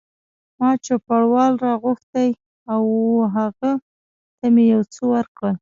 ما چوپړوال را غوښتی و او هغه ته مې یو څه ورکړل.